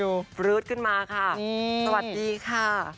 ปลื๊ดขึ้นมาค่ะสวัสดีค่ะ